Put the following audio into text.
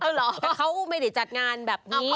แล้วเหรอเขาไม่ได้จัดงานแบบนี้